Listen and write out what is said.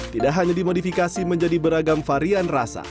tidak hanya dimodifikasi menjadi beragam varian rasa